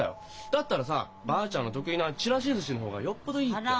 だったらさばあちゃんの得意なちらし寿司の方がよっぽどいいって。